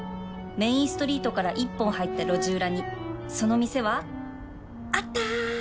メインストリートから一本入った路地裏にその店はあった！